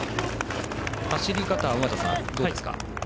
走り方は尾方さん、どうですか。